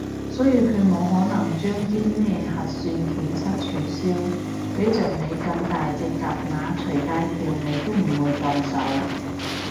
所以佢冇可能將啲咩核算檢測取消，畀着你咁大隻蛤乸隨街跳你都唔會放手